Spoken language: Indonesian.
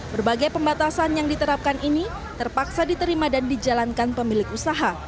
berbagai pembatasan yang diterapkan ini terpaksa diterima dan dijalankan pemilik usaha